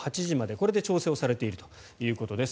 これで調整をされているということです。